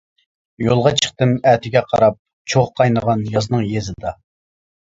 يولغا چىقتىم ئەتىگە قاراپ، چوغ قاينىغان يازنىڭ يېزىدا.